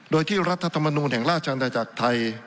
โดยที่รัฐธรรมนูลแห่งราชอาณาจักรไทย